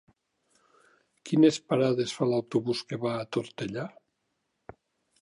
Quines parades fa l'autobús que va a Tortellà?